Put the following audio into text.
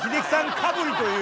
かぶりという。